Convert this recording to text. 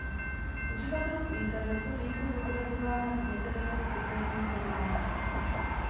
Uživatelům internetu nejsou zobrazována metadata v kompletním formátu.